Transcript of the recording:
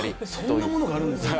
そんなものがあるんですね。